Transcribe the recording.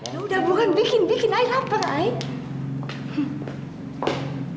ya udah bukan bikin bikin ayah lapar ayah